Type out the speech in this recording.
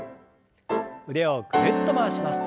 腕をぐるっと回します。